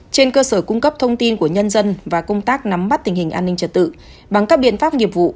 trên cơ sở cung cấp thông tin của nhân dân và công tác nắm bắt tình hình an ninh trật tự bằng các biện pháp nghiệp vụ